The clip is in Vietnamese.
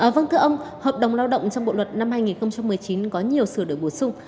vâng thưa ông hợp đồng lao động trong bộ luật năm hai nghìn một mươi chín có nhiều sửa đổi bổ sung